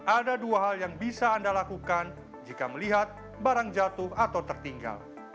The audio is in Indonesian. ada dua hal yang bisa anda lakukan jika melihat barang jatuh atau tertinggal